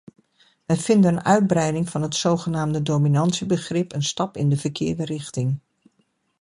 Wij vinden een uitbreiding van het zogenaamde dominantiebegrip een stap in de verkeerde richting.